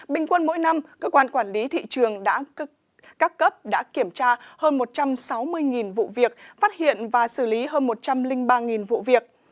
bình quân mỗi năm cơ quan quản lý thị trường các cấp đã kiểm tra hơn một trăm sáu mươi vụ việc phát hiện và xử lý hơn một trăm linh ba vụ việc